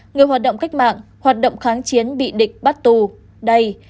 người hoạt động cách mạng hoạt động kháng chiến bị địch bắt tù đầy